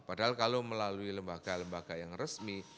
padahal kalau melalui lembaga lembaga yang resmi